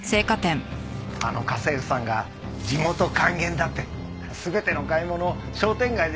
あの家政婦さんが地元還元だって全ての買い物を商店街でしてたから。